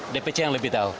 dpc yang lebih tahu